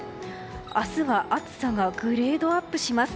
明日は暑さがグレードアップします。